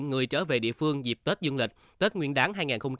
người trở về địa phương dịp tết dương lịch tết nguyên đáng hai nghìn hai mươi bốn